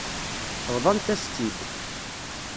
Bḍant-as-tt-id.